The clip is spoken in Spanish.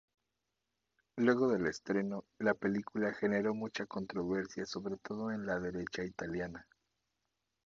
Luego del estreno, la película generó mucha controversia sobre todo en la derecha italiana.